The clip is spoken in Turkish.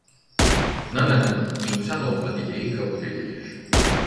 Nana'nın insan olma dileği kabul edilir.